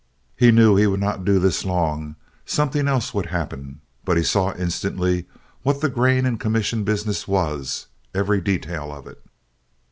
He knew he would not do this long. Something else would happen; but he saw instantly what the grain and commission business was—every detail of it.